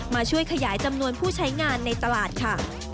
มาช่วยขยายจำนวนผู้ใช้งานในตลาดค่ะ